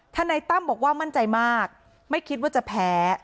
นายตั้มบอกว่ามั่นใจมากไม่คิดว่าจะแพ้